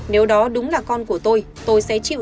nếu đó đúng là con của tôi tôi sẽ chịu